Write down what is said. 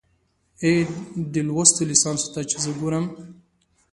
اې، دې لوستو ليسانسو ته چې زه ګورم